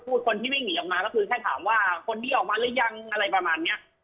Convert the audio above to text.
คนที่วิ่งหนีออกมาก็คือแค่ถามว่าคนนี้ออกมาหรือยังอะไรประมาณเนี้ย